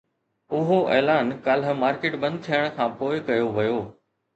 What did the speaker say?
اهو اعلان ڪالهه مارڪيٽ بند ٿيڻ کانپوءِ ڪيو ويو